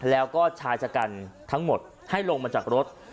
แล้วก็ชายชะกันทั้งหมดให้ลงมาจากรถ